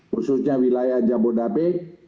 khususnya wilayah jabodabek